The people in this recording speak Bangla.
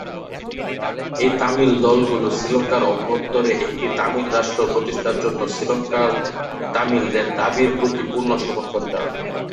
এই তামিল দলগুলো শ্রীলঙ্কার অভ্যন্তরে একটি তামিল রাষ্ট্র প্রতিষ্ঠার জন্য শ্রীলঙ্কান তামিলদের দাবির প্রতি পূর্ণ সমর্থন জানায়।